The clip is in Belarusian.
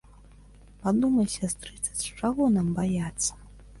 Падумай, сястрыца, чаго нам баяцца?